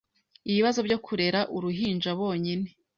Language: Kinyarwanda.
ibibazo byo kurera uruhinja bonyine